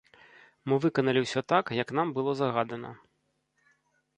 Мы выканалі ўсё так, як нам было загадана.